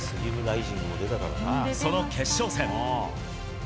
その決勝戦。